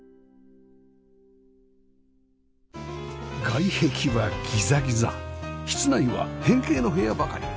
外壁はギザギザ室内は変形の部屋ばかり